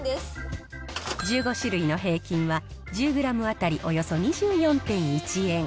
１５種類の平均は、１０グラム当たりおよそ２４．１円。